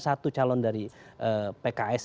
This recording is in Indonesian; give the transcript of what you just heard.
satu calon dari pks